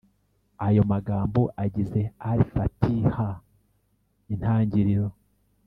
ayo magambo agize al-fātiḥah (“intangiriro”)